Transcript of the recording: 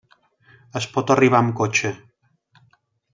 Es pot arribar amb cotxe.